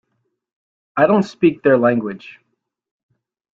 I don't speak their language.